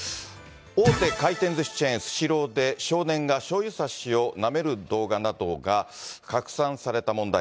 大手回転ずしチェーン、スシローで、少年がしょうゆさしをなめる動画などが拡散された問題。